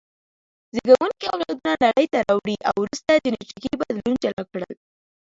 زېږوونکي اولادونه نړۍ ته راوړي او وروسته جینټیکي بدلون جلا کړل.